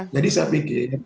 jadi saya pikir